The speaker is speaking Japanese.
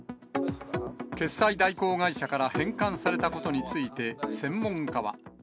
決済代行会社から返還されたことについて、専門家は。